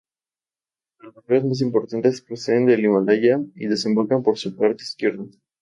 Pero los ríos más importantes proceden del Himalaya y desembocan por su parte izquierda.